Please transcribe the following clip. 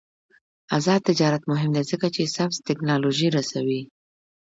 آزاد تجارت مهم دی ځکه چې سبز تکنالوژي رسوي.